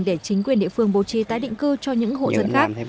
để chính quyền địa phương bố trí tái định cư cho những hộ dân khác